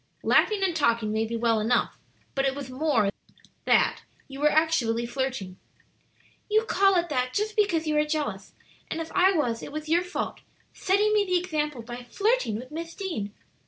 "Laughing and talking may be well enough; but it was more than that; you were actually flirting." "You call it that just because you are jealous. And if I was, it was your fault setting me the example by flirting with Miss Deane."